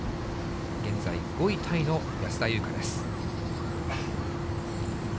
現在５位タイの安田祐香です。